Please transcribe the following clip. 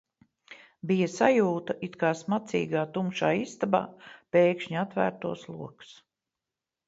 Bija sajūta, it kā smacīgā, tumšā istabā pēkšņi atvērtos logs.